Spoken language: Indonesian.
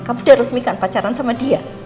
kamu sudah resmikan pacaran sama dia